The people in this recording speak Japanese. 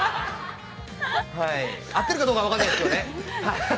合ってるかどうかは分かんないですけどね。